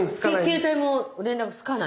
携帯も連絡つかない。